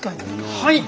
はい！